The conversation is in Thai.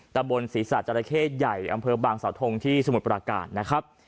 ตะบนศีรษะจราเข้ใหญ่อำเภอบางสาวทงที่สมุทรปราการนะครับ